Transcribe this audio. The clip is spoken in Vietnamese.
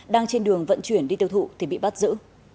đang trên đường vận chuyển đi tiêu thụ thì bị bắt giữ